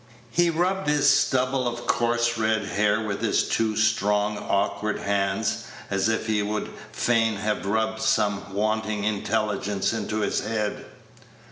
He rubbed his stubble of coarse red hair with his two strong, awkward hands, as if he would fain have rubbed some wanting intelligence into his head.